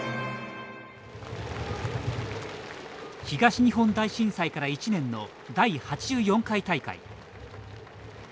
東日本大震災から１年の第８４回大会。